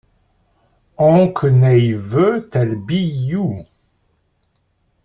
Oncques n’ay veu tel biiou!